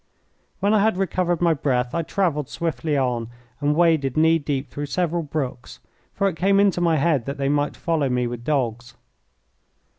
When I had recovered my breath I travelled swiftly on, and waded knee deep through several brooks, for it came into my head that they might follow me with dogs.